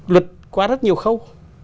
luật qua rất nhiều khâu